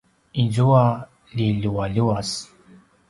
izua ljilualuas